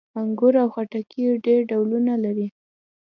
انګور او خټکي یې ډېر ډولونه لري.